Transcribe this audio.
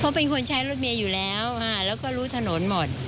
เขาเป็นคนใช้รถเมย์อยู่แล้วแล้วก็รู้ถนนหมด